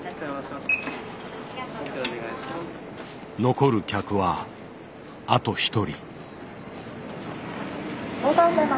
残る客はあと１人。